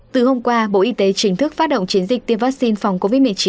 từ hôm qua bộ y tế chính thức phát động chiến dịch tiêm vaccine phòng covid một mươi chín